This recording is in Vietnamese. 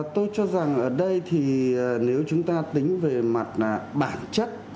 tôi cho rằng ở đây thì nếu chúng ta tính về mặt bản chất